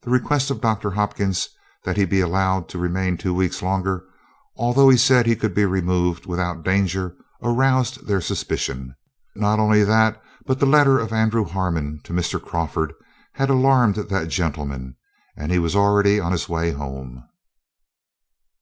The request of Doctor Hopkins, that he be allowed to remain two weeks longer, although he said he could be removed without danger, aroused their suspicion. Not only that, but the letter of Andrew Harmon to Mr. Crawford had alarmed that gentleman, and he was already on his way home.